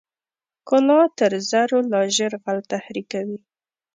ښکلا تر زرو لا ژر غل تحریکوي.